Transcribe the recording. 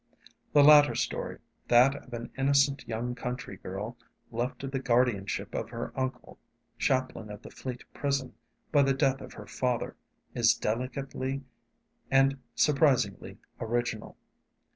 The latter story, that of an innocent young country girl left to the guardianship of her uncle, chaplain of the Fleet prison, by the death of her father, is delicately and surprisingly original.